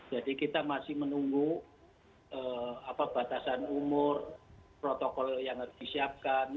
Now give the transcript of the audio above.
jadi kita masih menunggu apa batasan umur protokol yang harus disiapkan